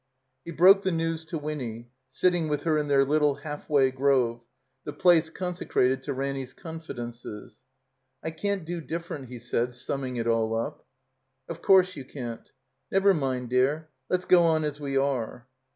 He broke the news to Winny, sitting with her in their little halfway grove, the place consecrated to Ranny's confidences. '*I can't do different," he said, summing it all up. 0f course, you can't. Never mind, dear. Let's go on as we are."